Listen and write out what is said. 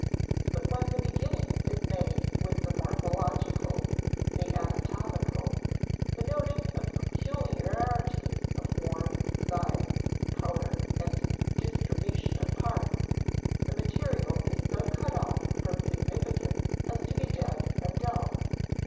But when the beginning is made with the morphological, the anatomical, the noting of peculiarities of form, size, color, and distribution of parts, the material is so cut off from significance as to be dead and dull.